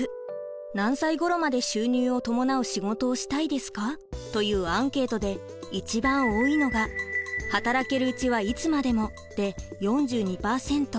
「何歳ごろまで収入を伴う仕事をしたいですか」というアンケートで一番多いのが「働けるうちはいつまでも」で４２％。